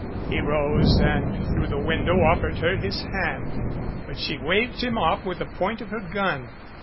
He rose, and through the window offered her his hand. But she waved him off with the point of her gun.